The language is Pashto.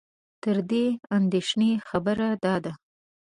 تر دې اندېښنې خبره دا ده